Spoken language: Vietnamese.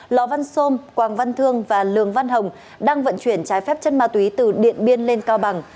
lò văn sôm quảng văn thương và lường văn hồng đang vận chuyển trái phép chất ma túy từ điện biên lên cao bằng